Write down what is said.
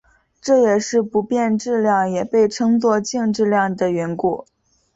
这也是不变质量也被称作静质量的缘故。